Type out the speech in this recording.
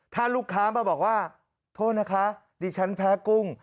ถ้าลูกค้ามาบอกว่าโทษนะคะดิฉันแพ้กุ้ง